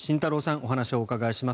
お話をお伺いします。